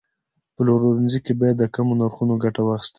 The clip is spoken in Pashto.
په پلورنځي کې باید د کمو نرخونو ګټه واخیستل شي.